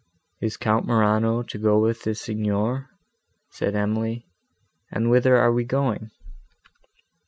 "Is Count Morano to go with the Signor?" said Emily, "and whither are we going?"